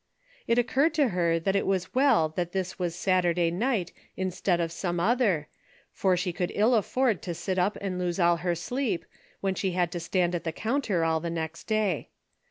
It occurred to her that it Avas Avell this Avas Sat urday night instead of some other, for she could ill afford to sit up and lose all her sleep Avhen she had to stand at the counter all the A DAILY BATE.^' 35 next day.